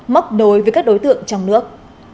móc nối với các đối tượng trong nước